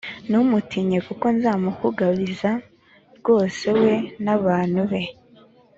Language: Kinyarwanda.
ntumutinye kuko nzamukugabiza rwose we n abantu be